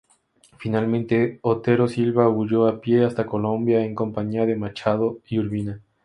Finalmente Otero Silva huyó a pie hasta Colombia en compañía de Machado y Urbina.